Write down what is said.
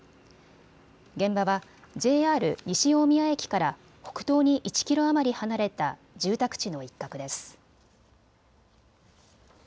現場はＪＲ西大宮駅から北東に１キロ余り離れた住宅地の一角です。